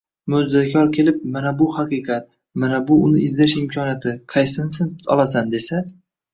Mo»jizakor kelib, “Mana bu – haqiqat, mana bu – uni izlash imkoniyati, qaysinisini olasan?” desa